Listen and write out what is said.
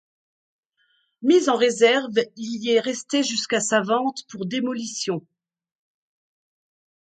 Mis en réserve, il y est resté jusqu'à sa vente pour démolition.